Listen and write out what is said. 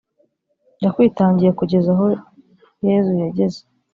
yakwitangiye kugeza aho Yezu yageze